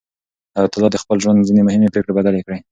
حیات الله د خپل ژوند ځینې مهمې پرېکړې بدلې کړې.